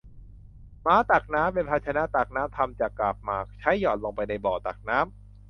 หมาตักน้ำ เป็นภาชนะตักน้ำทำจากกาบหมาก ใช้หย่อนลงไปในบ่อตักน้ำ